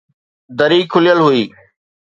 دري کليل هئي